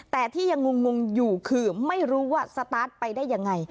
แต่ที่ยังงงอยู่คือไม่รู้ว่าสตาร์ทไปได้ยังไง